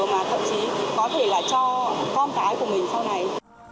mà thậm chí có thể là cho con cái của mình sau này